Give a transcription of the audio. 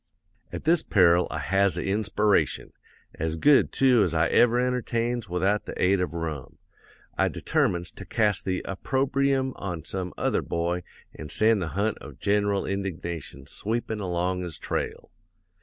"'At this peril I has a inspiration; as good, too, as I ever entertains without the aid of rum. I determines to cast the opprobrium on some other boy an' send the hunt of gen'ral indignation sweepin' along his trail.